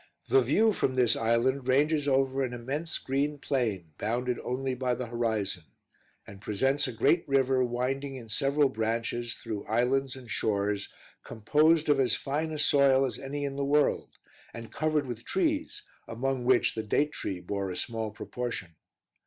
The view from this island ranges over an immense green plain, bounded only by the horizon, and presents a great river winding in several branches through islands and shores composed of as fine a soil as any in the world, and covered with trees, among which the date tree bore a small proportion.